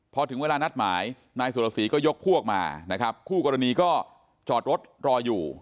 พอถึงเวลานัดหมายนายสุรสีก็ยกพวกมานะครับคู่กรณีก็จอดรถรออยู่